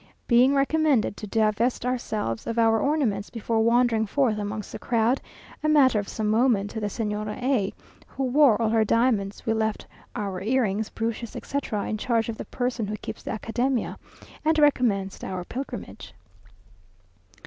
Being recommended to divest ourselves of our ornaments before wandering forth amongst the crowd, a matter of some moment to the Señora A , who wore all her diamonds, we left our earrings, brooches, etc., in charge of the person who keeps the Academia, and recommenced our pilgrimage.